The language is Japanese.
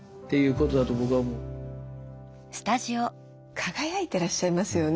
輝いてらっしゃいますよね。